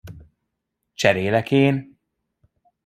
Cserélek én!